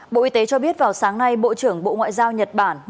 bộ y tế cho biết vào sáng nay bộ trưởng bộ ngoại giao nhật bản